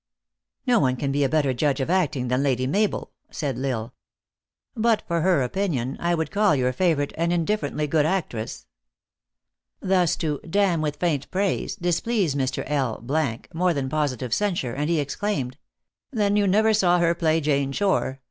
"No one can be a better judge of acting than Lady Mabel," said L Isle. "But for her opinion, I would call your favorite an indifferently good actress." Thus to " damn with faint praise," displeased Mr. L more than positive censure, and he exclaimed :" Then you never saw her play Jane Shore.